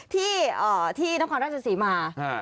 ที่ที่น้องความรักษาศรีมา